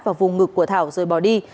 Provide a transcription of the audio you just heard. vào vùng ngực của thảo rồi bỏ đi